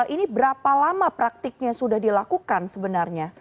ini berapa lama praktiknya sudah dilakukan sebenarnya